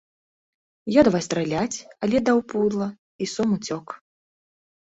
Я давай страляць, але даў пудла, і сом уцёк.